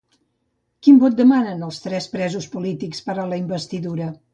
Quin vot demanen els tres presos polítics per a la investidura?